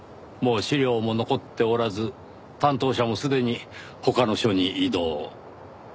もう資料も残っておらず担当者もすでに他の署に異動。